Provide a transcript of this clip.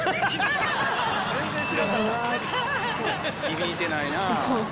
響いてないなぁ。